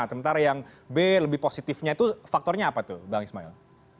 sementara yang b lebih positifnya itu faktornya apa tuh bang ismail